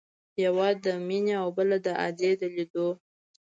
يوه د مينې او بله د ادې د ليدو.